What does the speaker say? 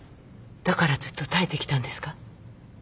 だからずっと耐えてきたんですか？